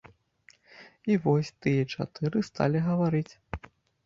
І вось тыя чатыры сталі гаварыць.